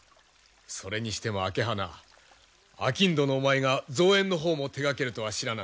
それにしても朱鼻商人のお前が造園の方も手がけるとは知らなんだ。